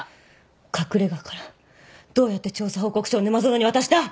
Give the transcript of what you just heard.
隠れ家からどうやって調査報告書を沼園に渡した？